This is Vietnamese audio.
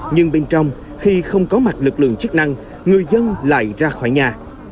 nhưng bên trong khi không có mặt lực lượng chức năng người dân lại ra khỏi nhà